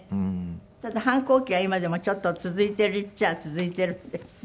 ただ反抗期が今でもちょっと続いているっちゃ続いてるんですって？